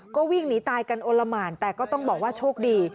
ก็วิ่งหนีตายกันโอละหมานแต่ก็ต้องบอกว่าโชคดี